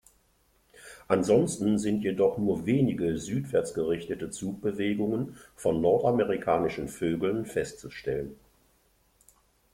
Ansonsten sind jedoch nur wenige südwärts gerichtete Zugbewegungen von nordamerikanischen Vögeln festzustellen.